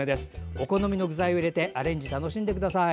お好みの具材を入れてアレンジを楽しんでください。